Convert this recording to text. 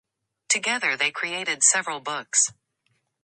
Together they created several books.